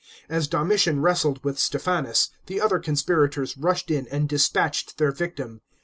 As Domitian wrestled with Stephanus, the other conspirators rushed in and dispatched their victim.